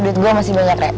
duit gue masih banyak rek